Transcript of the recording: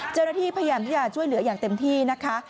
เจ้าหน้าที่พยายามที่จะช่วยเหลืออย่างเต็มที่นะคะ